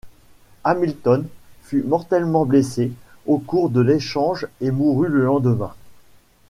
Hamilton fut mortellement blessé au cours de l'échange et mourut le lendemain.